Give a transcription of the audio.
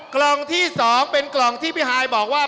กล่องที่๒เป็นกล่องที่พี่ฮายบอกว่า